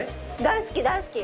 大好き大好き。